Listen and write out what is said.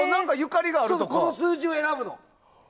そう、この数字を選ぶの！